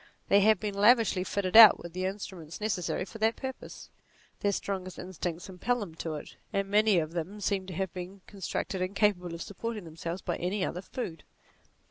They have been lavishly fitted out with the instruments necessary for that purpose ; their strongest instincts impel them to it, and many of them seem to have been constructed incapable of supporting themselves by any other food.